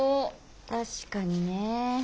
確かにねえ。